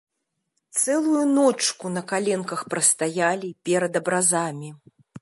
Цэлую ночку на каленках прастаялі перад абразамі.